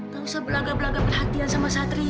gak usah berlagak lagak perhatian sama satria